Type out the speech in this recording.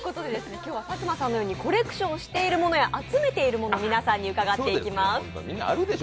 今日は佐久間さんのようにコレクションしているものや集めているものを皆さんに伺っていきます。